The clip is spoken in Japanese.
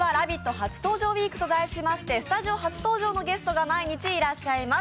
初登場ウィークと題しまして、スタジオ初登場のゲストが毎日らっしゃいます。